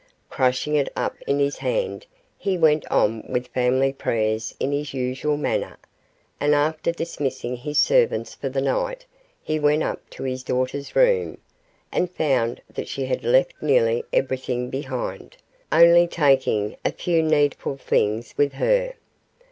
Crushing it up in his hand, he went on with family prayers in his usual manner, and after dismissing his servants for the night, he went up to his daughter's room, and found that she had left nearly everything behind, only taking a few needful things with her.